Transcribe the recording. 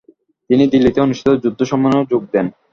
তিনি দিল্লীতে অনুষ্ঠিত যুদ্ধ সম্মেলনে যোগ দেন।